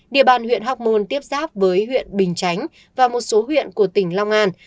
địa bàn huyện hóc môn tiếp giáp với huyện bình chánh và một số huyện của tỉnh long an